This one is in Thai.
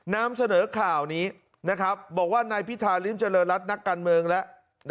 นำเสนอข่าวนี้บอกว่านายพิธาริมเจริญรัฐนักการเมืองแล้ว